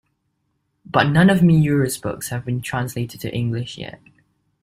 But none of Miura's book have been translated to English yet.